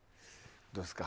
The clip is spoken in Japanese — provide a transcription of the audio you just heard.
どうですか？